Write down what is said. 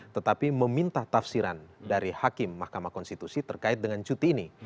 tetapi meminta tafsiran dari hakim mahkamah konstitusi terkait dengan cuti ini